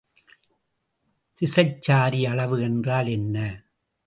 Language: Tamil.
திசைச்சாரி அளவு என்றால் என்ன?